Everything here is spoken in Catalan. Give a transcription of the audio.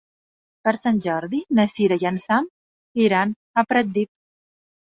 Per Sant Jordi na Sira i en Sam iran a Pratdip.